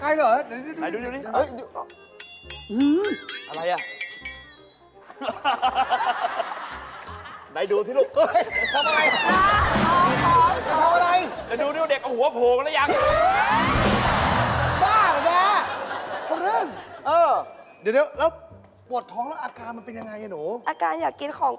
ให้ผู้หญิงน่าให้เขาถ้อง